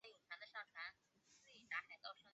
大家一定要严格遵照执行